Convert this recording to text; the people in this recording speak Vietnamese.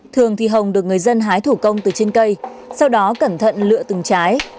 thường thì hồng được người dân hái thủ công từ trên cây sau đó cẩn thận lựa từng trái